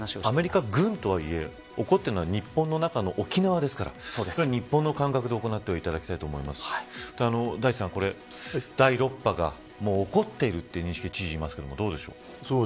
アメリカ軍とはいえ起こっているの日本の中の沖縄ですから日本の感覚で行っていただきたいと思いますし第６波が起こっているという知事の認識ですがどうでしょう。